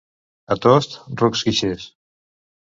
A Tost, rucs guixers.